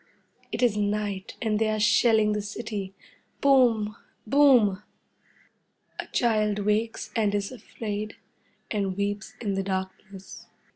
It is night, and they are shelling the city! Boom! Boom! A child wakes and is afraid, and weeps in the darkness.